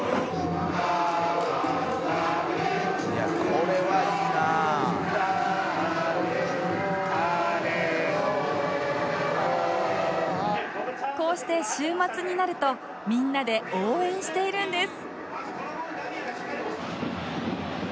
実は皆さんこうして週末になるとみんなで応援しているんです